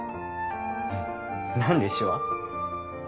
何で手話？